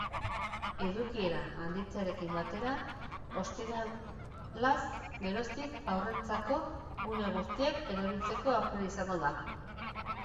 Edukiera handitzearekin batera, ostiralaz geroztik haurrentzako gune guztiak erabiltzeko aukera izango da.